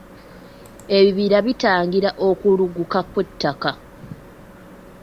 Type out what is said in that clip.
Ebibira bitangira okukulugguka kw'ettaka.